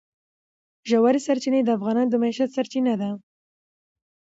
ژورې سرچینې د افغانانو د معیشت سرچینه ده.